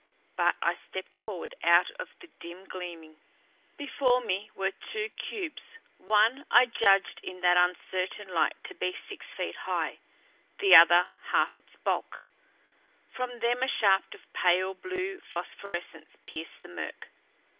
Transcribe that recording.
But I stepped forward, out of the dim gleaming. Before me were two cubes; one I judged in that uncertain light to be six feet high, the other half its bulk. From them a shaft of pale blue phosphorescence pierced the murk.